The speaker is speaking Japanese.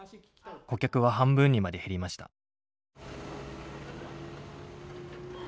顧客は半分にまで減りました。